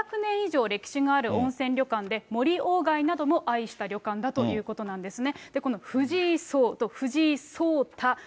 長野県高山村の２００年以上歴史がある温泉旅館で、森鴎外なども愛した旅館だということなんですね。